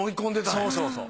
そうそうそう。